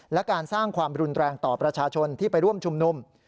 และการสร้างความรุนแรงต่อประชาชนที่ไปร่วมชุมนุม